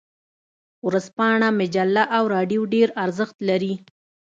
ورځپاڼه، مجله او رادیو ډیر ارزښت لري.